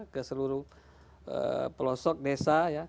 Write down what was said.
keseluruh pelosok desa